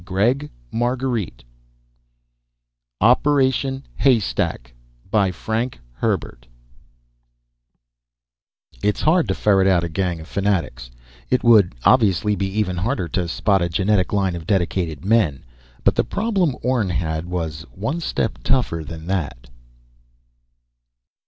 OPERATION HAYSTACK BY FRANK HERBERT Illustrated by van Dongen _It's hard to ferret out a gang of fanatics; it would, obviously, be even harder to spot a genetic line of dedicated men. But the problem Orne had was one step tougher than that!